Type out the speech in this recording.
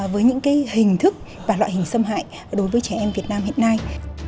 với những hình thức và loại hình xâm hại đối với trẻ em việt nam hiện nay